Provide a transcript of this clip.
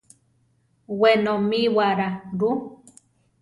Wenomíwara rú?